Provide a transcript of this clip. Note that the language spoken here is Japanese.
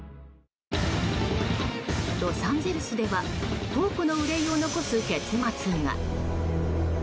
ロサンゼルスでは後顧の憂いを残す結末が。